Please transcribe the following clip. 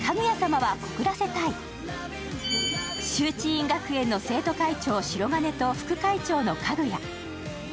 秀知院学園の生徒会長・白銀と副会長のかぐや。